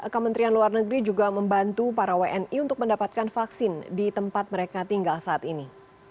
kementerian luar negeri juga membantu para wni untuk mendapatkan vaksin di tempat mereka tinggal saat ini